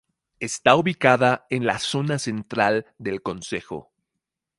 Está ubicada en la zona central del concejo.